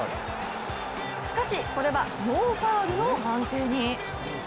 しかし、これはノーファウルの判定に。